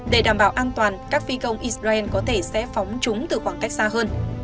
để đảm bảo an toàn các phi công israel có thể sẽ phóng chúng từ khoảng cách xa hơn